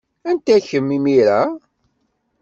Anta kemm, imir-a?